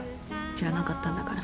知らなかったんだから。